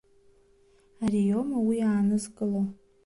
Ари иоума уи аанызкыло?